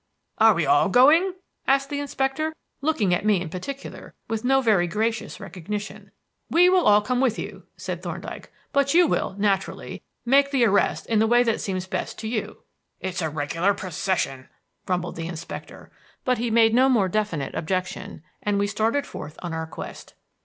"Are we all going?" asked the inspector, looking at me in particular with no very gracious recognition. "We will all come with you," said Thorndyke; "but you will, naturally, make the arrest in the way that seems best to you." "It's a regular procession," grumbled the inspector; but he made no more definite objection, and we started forth on our quest.